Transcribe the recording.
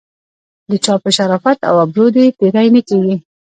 د چا په شرافت او ابرو دې تېری نه کیږي.